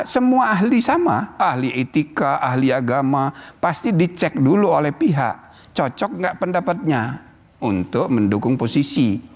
semua ahli sama ahli etika ahli agama pasti dicek dulu oleh pihak cocok nggak pendapatnya untuk mendukung posisi